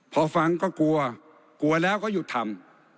พอฟังก็กลัวกลัวแล้วก็หยุดทำ